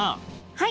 はい！